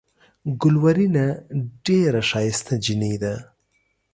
ګلورينه ډېره ښائسته جينۍ ده۔